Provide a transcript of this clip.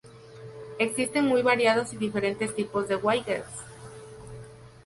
Existen muy variados y diferentes tipos de widgets.